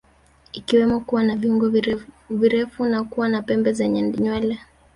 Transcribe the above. Ikiwemo kuwa na viungo virefu na kuwa na pembe zenye nywele